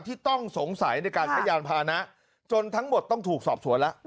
ที่ต้องสงสัยในการใช้ยานพานะจนทั้งหมดต้องถูกสอบสวนแล้ว